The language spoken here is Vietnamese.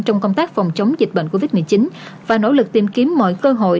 trong công tác phòng chống dịch bệnh covid một mươi chín và nỗ lực tìm kiếm mọi cơ hội